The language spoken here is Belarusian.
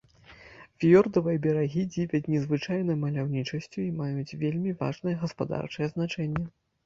Фіёрдавыя берагі дзівяць незвычайнай маляўнічасцю і маюць вельмі важнае гаспадарчае значэнне.